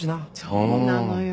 そうなのよ。